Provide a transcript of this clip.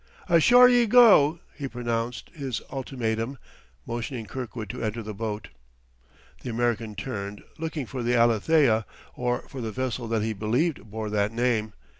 "Ashore ye go," he pronounced his ultimatum, motioning Kirkwood to enter the boat. The American turned, looking for the Alethea, or for the vessel that he believed bore that name.